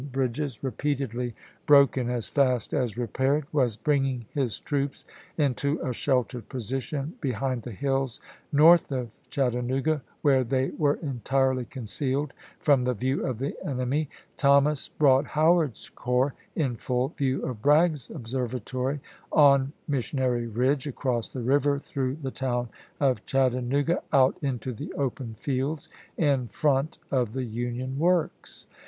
bridges repeatedly broken as fast as repaired, was bringing his troops into a sheltered position be hind the hills north of Chattanooga, where they were entirely concealed from the view of the enemy, Thomas brought Howard's corps in full view of Bragg's observatory on Missionary Ridge, across the river, through the town of Chattanooga, out into the open fields in front of the Union works.